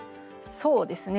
そうですね。